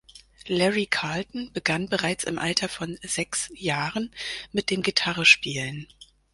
Larry Carlton begann bereits im Alter von sechs Jahren mit dem Gitarrespielen.